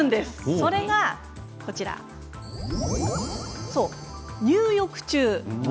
それは入浴中。